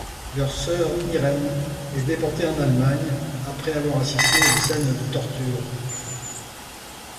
Leur sœur Irène est déportée en Allemagne après avoir assisté aux scènes de tortures.